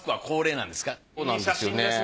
そうなんですよね。